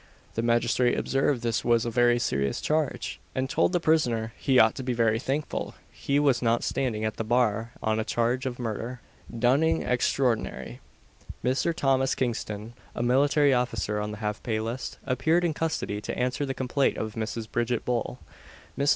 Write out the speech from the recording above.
The magistrate observed this was a very serious charge, and told the prisoner he ought to be very thankful he was not standing at that bar on a charge of murder. DUNNING EXTRAORDINARY. Mr. Thomas Kingston, a military officer on the half pay list, appeared in custody to answer the complaint of Mrs. Bridget Bull. Mrs.